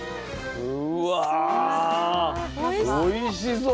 うわおいしそう。